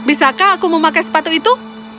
apakah aku bisa memakai sepatu itu